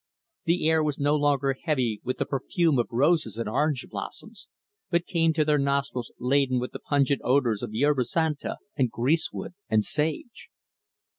The air was no longer heavy with the perfume of roses and orange blossoms, but came to their nostrils laden with the pungent odors of yerba santa and greasewood and sage.